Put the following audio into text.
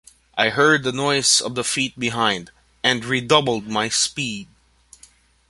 I heard the noise of the feet behind, and redoubled my speed.